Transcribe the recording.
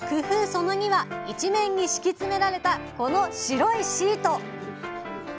その２は「一面に敷き詰められたこの白いシート」！